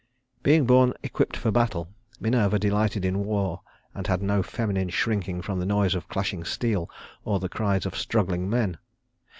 Being born equipped for battle, Minerva delighted in war, and had no feminine shrinking from the noise of clashing steel or the cries of struggling men.